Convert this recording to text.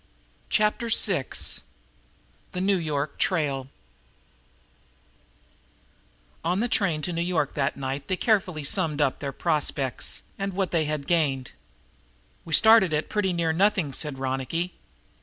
Chapter Six The New York Trail On the train to New York that night they carefully summed up their prospects and what they had gained. "We started at pretty near nothing," said Ronicky.